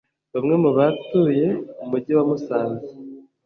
Bamwe mu batuye umujyi wa Musanze